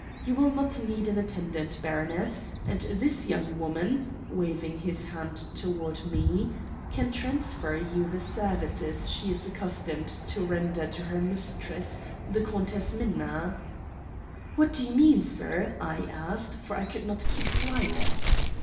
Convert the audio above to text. You will not need an attendant, baroness, as this young woman' waving his hand toward me 'can transfer to you the services she is accustomed to render to her mistress, the Countess Minna.' "'What do you mean, sir?' I asked, for I could not keep quiet.